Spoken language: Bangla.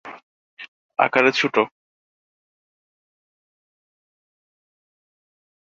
আকারে ছোট।